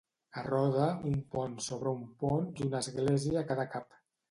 A Roda, un pont sobre un pont i una església a cada cap.